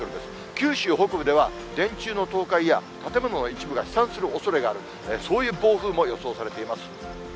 九州北部では電柱の倒壊や、建物の一部が飛散するおそれがある、そういう暴風も予想されています。